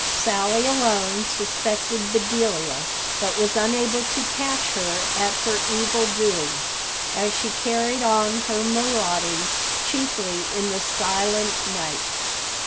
Sally alone suspected Bedelia, but was unable to catch her at her evil doing, as she carried on her marauding chiefly in the silent night.